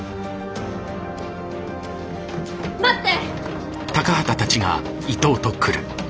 待って！